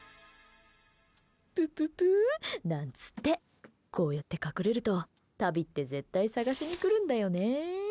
ぷぷぷ、なんつってこうやって隠れるとタビって絶対探しに来るんだよね。